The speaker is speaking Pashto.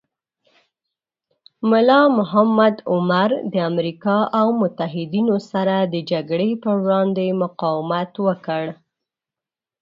ملا محمد عمر د امریکا او متحدینو سره د جګړې پر وړاندې مقاومت وکړ.